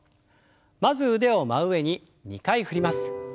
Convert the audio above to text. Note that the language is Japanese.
まず腕を真上に２回振ります。